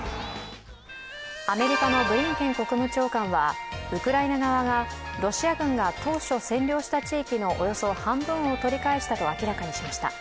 アメリカのブリンケン国務長官はウクライナ側がロシア軍が当初占領した地域のおよそ半分を取り返したと明らかにしました。